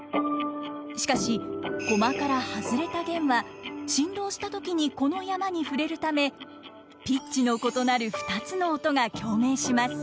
しかし駒から外れた絃は振動したときにこの山に触れるためピッチの異なる２つの音が共鳴します。